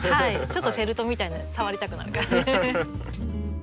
ちょっとフェルトみたいな触りたくなる感じ。